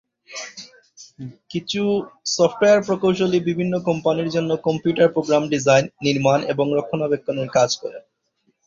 কিছু সফটওয়্যার প্রকৌশলী বিভিন্ন কোম্পানির জন্য কম্পিউটার প্রোগ্রাম ডিজাইন, নির্মাণ এবং রক্ষণাবেক্ষণের কাজ করেন।